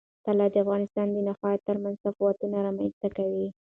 طلا د افغانستان د ناحیو ترمنځ تفاوتونه رامنځ ته کوي.